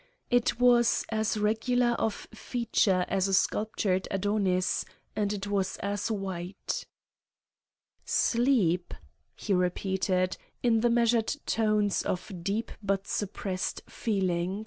It was as regular of feature as a sculptured Adonis, and it was as white. "Sleep!" he repeated, in the measured tones of deep but suppressed feeling.